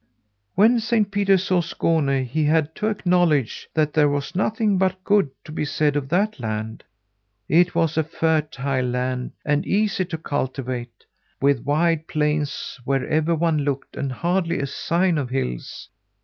"When Saint Peter saw Skåne, he had to acknowledge that there was nothing but good to be said of that land. It was a fertile land and easy to cultivate, with wide plains wherever one looked, and hardly a sign of hills.